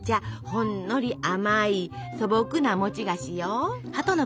ほんのり甘い素朴な餅菓子よ。